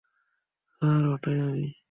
Sir, ওটাই আমি।